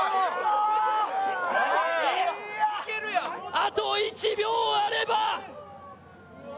あと１秒あれば。